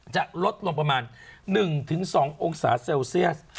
จะลดลงประมาณ๑๒องศาเซลเซียส